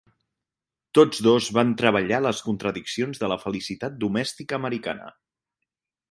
Tots dos van treballar les contradiccions de la felicitat domèstica americana.